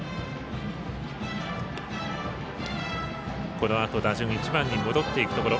このあと打順１番に戻っていくところ。